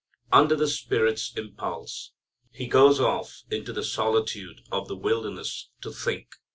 Under the Spirit's impulse, He goes off into the solitude of the wilderness to think.